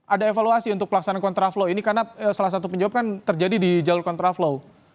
ada evaluasi untuk pelaksanaan kontraflow ini karena salah satu penyebab kan terjadi di jalur kontraflow